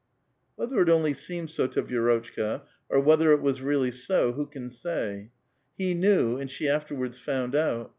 Whether it only seemed so to Vi^rotchka, or whether it was really so, who can say? He knew, and she afterwartls found out.